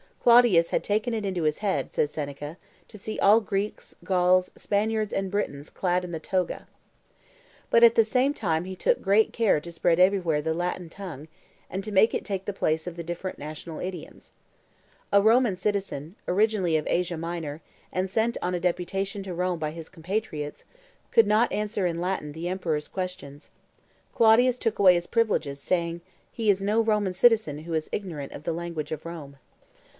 "Claudius had taken it into his head," says Seneca, "to see all Greeks, Gauls, Spaniards, and Britons clad in the toga." But at the same time he took great care to spread everywhere the Latin tongue, and to make it take the place of the different national idioms. A Roman citizen, originally of Asia Minor, and sent on a deputation to Rome by his compatriots, could not answer in Latin the emperor's questions. Claudius took away his privileges, saying, "He is no Roman citizen who is ignorant of the language of Rome."